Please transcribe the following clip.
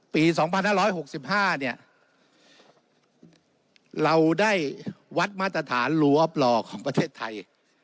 ปีสองพันห้าร้อยหกสิบห้าเนี้ยเราได้วัดมาตรฐานลวอบลอของประเทศไทย